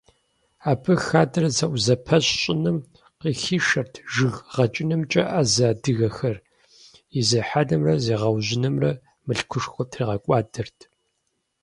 Абы хадэр зэӀузэпэщ щӀыным къыхишэрт жыг гъэкӀынымкӀэ Ӏэзэ адыгэхэр, и зехьэнымрэ зегъэужьынымрэ мылъкушхуэ тригъэкӀуадэрт.